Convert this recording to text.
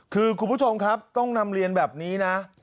คือคุณผู้ชมครับต้องนำเรียนแบบนี้นะ